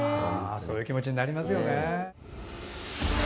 そういう気持ちになりますよね。